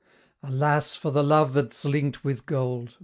Alas! for the love that's link'd with gold!